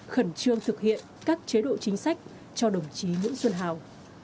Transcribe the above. khẩn trương thực hiện các chế độ chính sách cho đồng chí nguyễn xuân hào